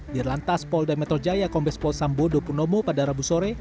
dirlantas pol demetoljaya kombes pol sambodo punomo pada rabu sore